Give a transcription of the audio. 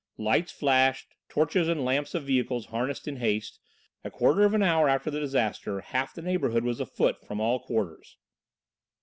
Lights flashed, torches and lamps of vehicles harnessed in haste: a quarter of an hour after the disaster half the neighbourhood was afoot from all quarters.